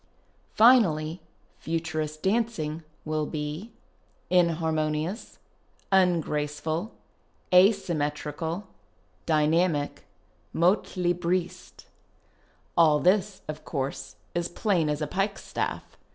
Finally, Futurist dancing will be :— Inharmonious — Ungraceful — Asymmetrical — Dy nami c — Moilihriste. All this, of course, is as plain as a pikestaff.